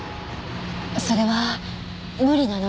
それは無理なの。